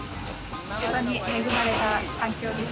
本当に恵まれた環境です。